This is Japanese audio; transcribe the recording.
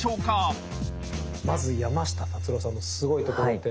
まず山下達郎さんのスゴいところって